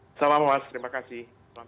selamat malam mas terima kasih